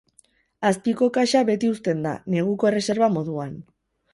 Azpiko kaxa beti uzten da, neguko erreserba moduan.